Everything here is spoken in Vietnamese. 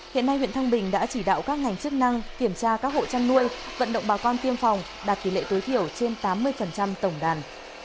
hiện nay huyện thăng bình đã chỉ đạo các ngành chức năng kiểm tra các hộ chăn nuôi vận động bà con tiêm phòng đạt tỷ lệ tối thiểu trên tám mươi tổng đàn